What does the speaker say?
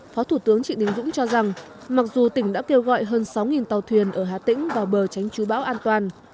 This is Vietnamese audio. phó thủ tướng trị đình dũng cho rằng mặc dù tỉnh đã kêu gọi hơn sáu tàu thuyền ở hà tĩnh vào bờ tránh chú bão an toàn